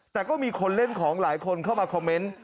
แต่ก็มีคนเล่นของหลายคนเข้ามาคอมเมนต์